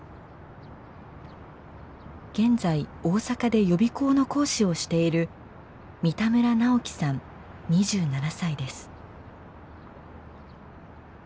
現在大阪で予備校の講師をしている三田村尚輝さん２７歳です。